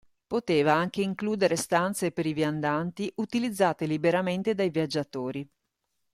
Poteva anche includere stanze per i viandanti utilizzate liberamente dai viaggiatori.